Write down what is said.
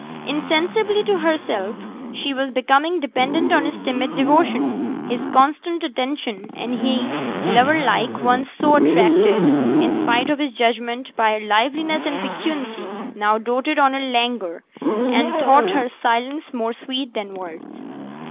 Insensibly to herself she was becoming dependent on his timid devotion, his constant attention; and he, lover like, once so attracted, in spite of his judgment, by her liveliness and piquancy, now doted on her languor, and thought her silence more sweet than words.